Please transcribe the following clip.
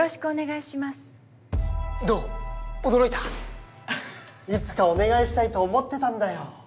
いつかお願いしたいと思ってたんだよ。